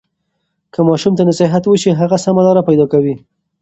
که ماشوم ته نصیحت وشي، هغه سمه لاره پیدا کوي.